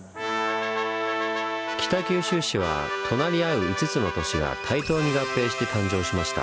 北九州市は隣り合う５つの都市が対等に合併して誕生しました。